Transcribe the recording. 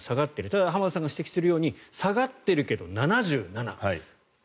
ただ、浜田さんが指摘するように下がっているけど７７。